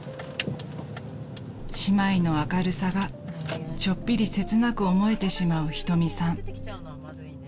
［姉妹の明るさがちょっぴり切なく思えてしまう瞳さん］